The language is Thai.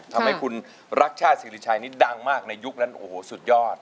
ทำให้คุณรักชาติศิริชัยนี่ดังมากในยุคนั้นโอ้โหสุดยอด